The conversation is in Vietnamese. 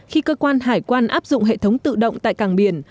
khi cơ quan hải quan áp dụng hệ thống tự động tại càng biển